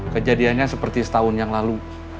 kejadiannya seperti setahun yang lalu